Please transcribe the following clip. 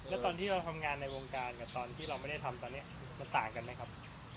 แล้วตอนที่เราทำงานในวงการกับตอนที่เราไม่ได้ทำตอนนี้มันต่างกันไหมครับ